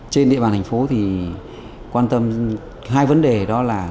trên địa bàn thành phố thì quan tâm hai vấn đề đó là